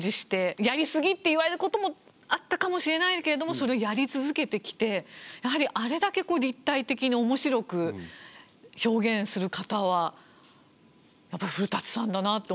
やり過ぎって言われることもあったかもしれないけれどもそれをやり続けてきてやはりあれだけ立体的に面白く表現する方はやっぱり古さんだなって思います。